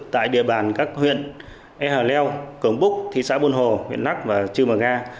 tại địa bàn các huyện e hờ leo cường búc thị xã bồn hồ huyện lắc và trư mờ nga